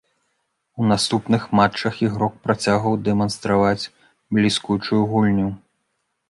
У наступных матчах ігрок працягваў дэманстраваць бліскучую гульню.